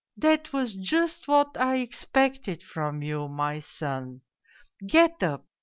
' That was just what I expected from you, my son. Get up